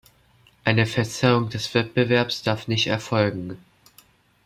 Eine Verzerrung des Wettbewerbs darf nicht erfolgen.